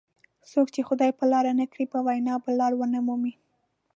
څوک چې خدای په لار نه کړي په وینا به لار ونه مومي.